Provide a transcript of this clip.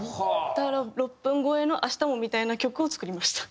だから６分超えの『明日も』みたいな曲を作りました。